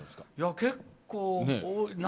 結構。